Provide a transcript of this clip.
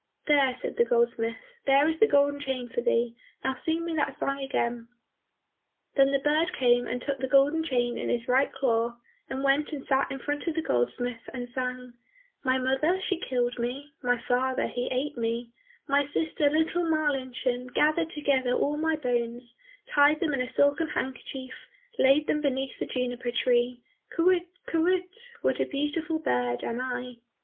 "There," said the goldsmith, "there is the golden chain for thee, now sing me that song again." Then the bird came and took the golden chain in his right claw, and went and sat in front of the goldsmith, and sang, "My mother she killed me, My father he ate me, My sister, little Marlinchen, Gathered together all my bones, Tied them in a silken handkerchief, Laid them beneath the juniper tree, Kywitt, kywitt, what a beautiful bird am I!"